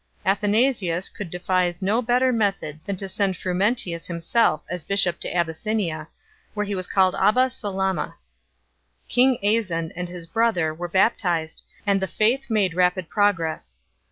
Athanasius could devise no better method than to send Frumentius himself as bishop to Abyssinia, where he was called Abba Salama. King Aizan and his brother were bap tized, and the faith made rapid progress.